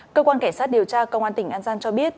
cơ quan cảnh sát điều tra công an tỉnh an giang cho biết